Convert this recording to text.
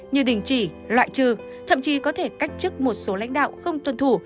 như đình chỉ loại trừ thậm chí có thể cách chức một số lãnh đạo không tuân thủ